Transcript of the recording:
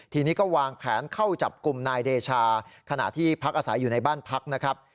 ทีนี้ก็วางแผนเข้าจับกลุ่มนายเดชาขณะที่พักอาศัยอยู่ในบ้านพักนะครับ